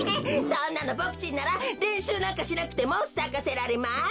そんなのボクちんなられんしゅうなんかしなくてもさかせられます。